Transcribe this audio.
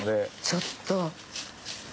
ちょっと。